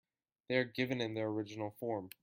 They are given in their original form.